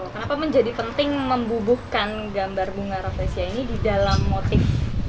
kenapa menjadi penting membubuhkan gambar bunga rafflesia ini di dalam motif